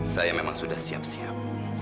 saya memang sudah siap siap